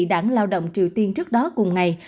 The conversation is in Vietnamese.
đảng lao động triều tiên trước đó cùng ngày